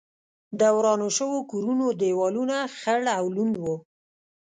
د ورانو شوو کورونو دېوالونه خړ او لوند و.